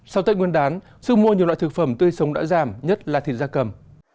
sau tết nguyên đán sức mua nhiều loại thực phẩm tươi sống đã giảm nhất là thịt da cầm